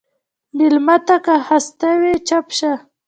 مېلمه ته که خسته وي، چپ شه.